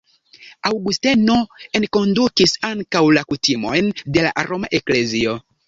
Aŭgusteno enkondukis ankaŭ la kutimojn de la roma eklezio.